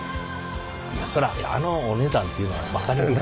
そらあのお値段っていうのも分かりますわ。